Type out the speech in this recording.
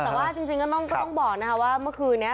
แต่ว่าจริงก็ต้องบอกนะคะว่าเมื่อคืนนี้